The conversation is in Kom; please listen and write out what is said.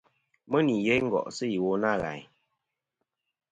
Mɨ nì yeyn ngo'sɨ iwo nâ ghàyn.